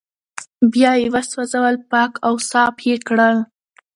بيا يې وسوځول پاک او صاف يې کړل